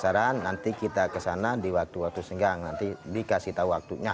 saran nanti kita kesana di waktu waktu senggang nanti dikasih tahu waktunya